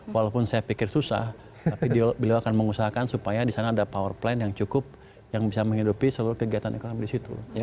walaupun saya pikir susah tapi beliau akan mengusahakan supaya di sana ada power plan yang cukup yang bisa menghidupi seluruh kegiatan ekonomi di situ